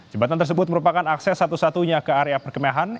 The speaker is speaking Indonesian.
jembatan tersebut merupakan akses satu satunya ke area perkemahan